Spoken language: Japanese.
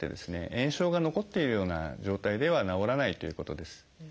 炎症が残っているような状態では治らないということです。